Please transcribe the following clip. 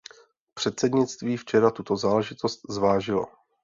Předsednictví včera tuto záležitost zvážilo.